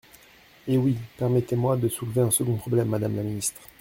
Eh oui ! Permettez-moi de soulever un second problème, madame la ministre.